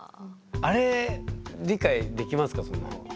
あれ理解できますか？